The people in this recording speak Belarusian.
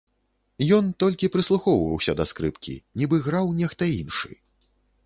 Ён толькі прыслухоўваўся да скрыпкі, нібы граў нехта іншы.